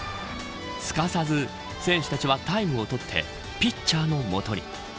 すかさず選手たちはタイムを取ってピッチャーの元に。